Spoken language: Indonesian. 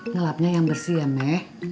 ngelapnya yang bersih ya meh